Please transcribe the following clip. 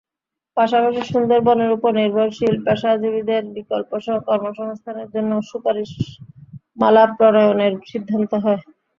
পাশাপাশি সুন্দরবনের ওপর নির্ভরশীল পেশাজীবীদের বিকল্প কর্মসংস্থানের জন্য সুপারিশমালা প্রণয়নেরও সিদ্ধান্ত হয়।